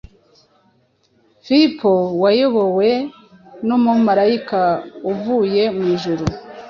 Filipo wayobowe n’umumarayika uvuye mu ijuru